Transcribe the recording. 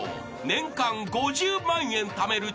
［年間５０万円ためる